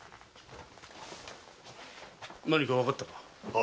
何かわかったか？